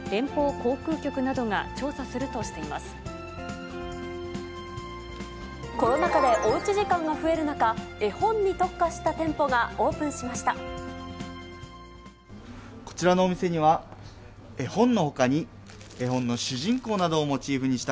コロナ禍でおうち時間が増える中、絵本に特化した店舗がオープンしました。